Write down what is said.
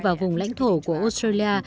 và vùng lãnh thổ của australia